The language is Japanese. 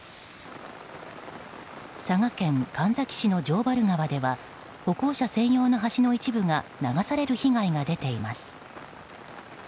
佐賀県神埼市の城原川では歩行者専用の橋の一部が流される被害が出ています。